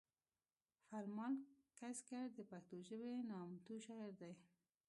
فرمان کسکر د پښتو ژبې نامتو شاعر دی